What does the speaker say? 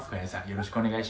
よろしくお願いします」